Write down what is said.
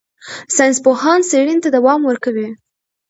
ساینسپوهان څېړنې ته دوام ورکوي.